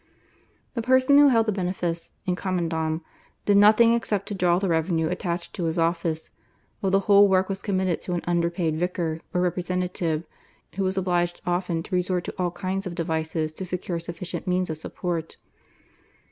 The person who held the benefice /in commendam/ did nothing except to draw the revenue attached to his office, while the whole work was committed to an underpaid vicar or representative, who was obliged often to resort to all kinds of devices to secure sufficient means of support.